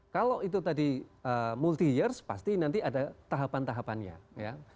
kalau itu tadi multi years pasti nanti ada tahapan tahapannya ya